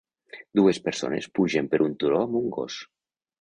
Dues persones pugen per un turó amb un gos.